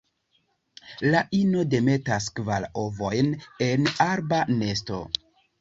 La ino demetas kvar ovojn en arba nesto.